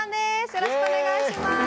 よろしくお願いします。